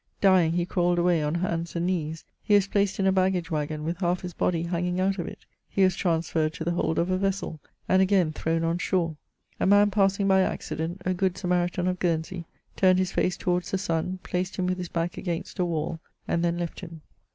Dying, he crawled away on hands and knees ; he was placed in a baggage waggon, with half his body hanging out of it : he was transferred to the hold of a vessel, and again thrown on shore. A man passing by accident, a good Samaritan of Guernsey, turned his face towards the sun, placed him with his back against a wall, and then left him.